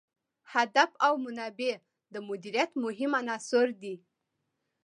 هدف او منابع د مدیریت مهم عناصر دي.